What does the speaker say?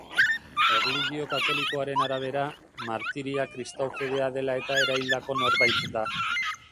Erlijio katolikoaren arabera, martiria kristau fedea dela-eta eraildako norbait da.